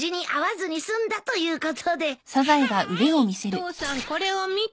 父さんこれを見て。